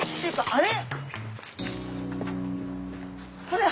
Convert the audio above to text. あれ？